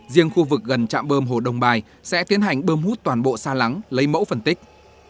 riêng khu vực gần trạm bơm hồ đông bài sẽ tiến hành bơm hút toàn bộ xa lắng lấy mẫu phân tích